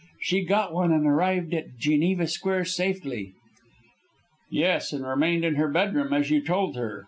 She got one and arrived at Geneva Square safely." "Yes, and remained in her bedroom as you told her.